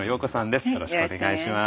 よろしくお願いします。